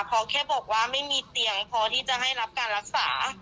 เพราะแค่บอกว่าไม่มีเตียงพอที่จะให้รับการรักษา